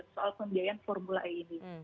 soal pembiayaan formula e ini